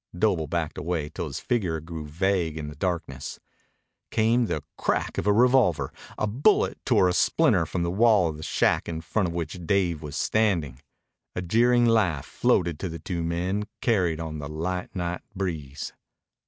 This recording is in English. Doble backed away till his figure grew vague in the darkness. Came the crack of a revolver. A bullet tore a splinter from the wall of the shack in front of which Dave was standing. A jeering laugh floated to the two men, carried on the light night breeze.